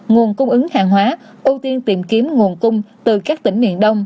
nguồn cung ứng hàng hóa ưu tiên tìm kiếm nguồn cung từ các tỉnh miền đông